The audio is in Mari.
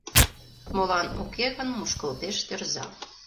Молан уке гын мушкылтеш тӧрза